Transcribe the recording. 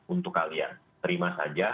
untuk kalian terima saja